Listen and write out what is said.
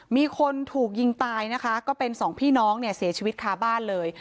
มีคนถูกยิงตายนะคะก็เป็นสองพี่น้องเนี่ยเสียชีวิตคาบ้านเลย